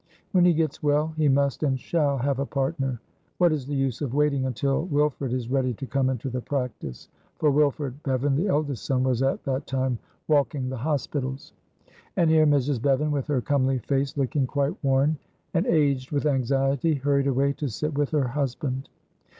When he gets well he must and shall have a partner. What is the use of waiting until Wilfred is ready to come into the practice," for Wilfred Bevan, the eldest son, was at that time walking the hospitals. And here Mrs. Bevan, with her comely face looking quite worn and aged with anxiety, hurried away to sit with her husband.